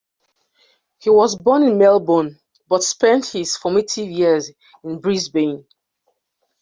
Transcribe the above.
He was born in Melbourne, but spent his formative years in Brisbane.